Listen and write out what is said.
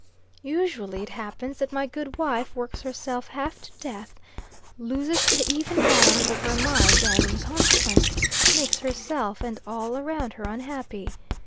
Usually it happens that my good wife works herself half to death loses the even balance of her mind and, in consequence, makes herself and all around her unhappy.